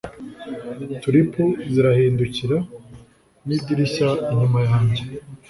tulipu zirahindukira, nidirishya inyuma yanjye